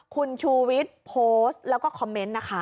คุณชูวิทย์โพสต์แล้วก็คอมเมนต์นะคะ